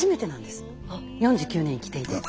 ４９年生きていて。